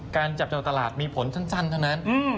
การจับจองตลาดมีผลสั้นเท่านั้น